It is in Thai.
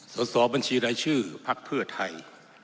ส่วนสอบบัญชีรายชื่อภักดิ์เพื่อไทย